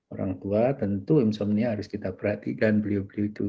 orang tua tentu insomnia harus kita perhatikan beliau beliau itu